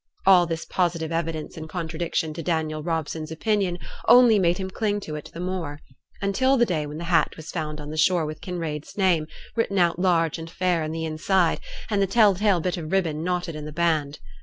All this positive evidence in contradiction to Daniel Robson's opinion only made him cling to it the more; until the day when the hat was found on the shore with Kinraid's name written out large and fair in the inside, and the tell tale bit of ribbon knotted in the band.